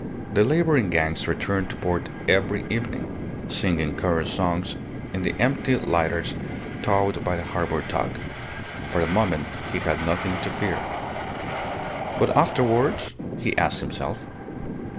The labouring gangs returned to port every evening, singing chorus songs in the empty lighters towed by a harbour tug. For the moment he had nothing to fear. But afterwards? he asked himself.